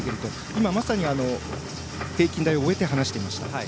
今まさに、平均台を終えて話していました。